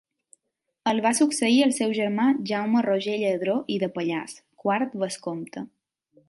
El va succeir el seu germà Jaume Roger Lladró i de Pallars, quart vescomte.